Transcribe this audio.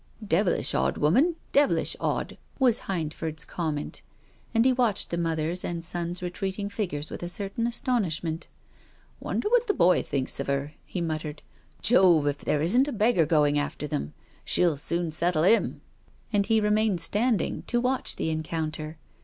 " Devilish odd woman, devilish odd !" was Hindford's comment. And he watched the mother's and son's retreating figures with a certain astonishment. "Wonder what the boy thinks of her?" he muttered. " Jove, if there isn't a beggar going after them ! She'll soon settle him !" And he remained standing to watch the en counter.